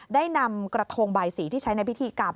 ได้นำกระทงใบสีที่ใช้ในพิธีกรรม